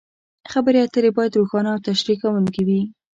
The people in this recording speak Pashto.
خبرې اترې باید روښانه او تشریح کوونکې وي.